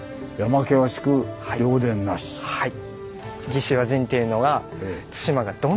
はい。